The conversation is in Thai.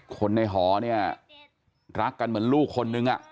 คนในหอเนี่ยรักกันเหมือนลูกคนนึง